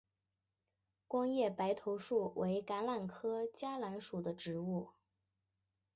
光叶白头树为橄榄科嘉榄属的植物。